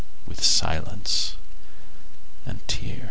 —With silence and tears.